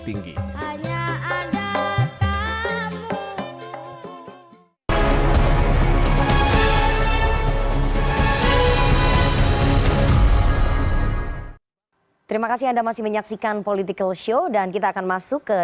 tinggi hanya ada terima kasih anda masih menyaksikan political show dan kita akan masuk ke